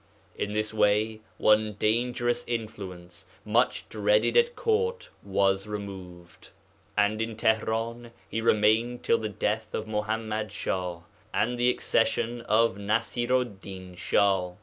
In this way one dangerous influence, much dreaded at court, was removed. And in Tihran he remained till the death of Muḥammad Shah, and the accession of Nasiru'd din Shah.